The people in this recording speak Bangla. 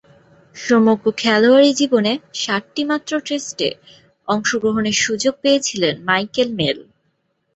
সমগ্র খেলোয়াড়ী জীবনে সাতটিমাত্র টেস্টে অংশগ্রহণের সুযোগ পেয়েছিলেন মাইকেল মেল।